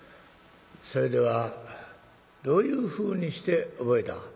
それではどういうふうにして覚えた？」。